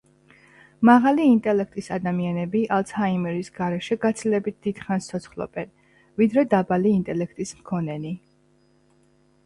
მაღალი ინტელექტის ადამიანები ალცჰაიმერის გარეშე გაცილებით დიდხანს ცოცხლობენ, ვიდრე დაბალი ინტელექტის მქონენი.